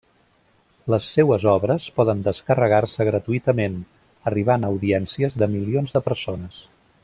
Les seues obres poden descarregar-se gratuïtament, arribant a audiències de milions de persones.